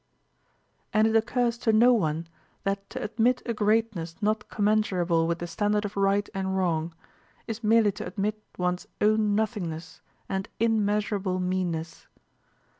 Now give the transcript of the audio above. And it occurs to no one that to admit a greatness not commensurable with the standard of right and wrong is merely to admit one's own nothingness and immeasurable meanness.